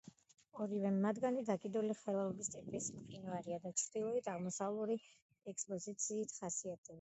ორივე მათგანი დაკიდული ხეობის ტიპის მყინვარია და ჩრდილო-აღმოსავლური ექსპოზიციით ხასიათდება.